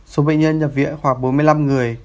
số bệnh nhân nhập viện khoảng bốn mươi năm người